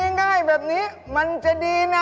ง่ายแบบนี้มันจะดีนะ